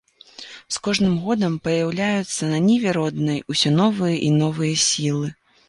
З кожным годам паяўляюцца на ніве роднай усё новыя і новыя сілы.